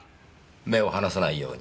目を離さないように。